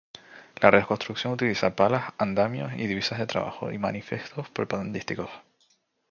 La reconstrucción utiliza palas, andamios y divisas de trabajo y manifiestos propagandísticos.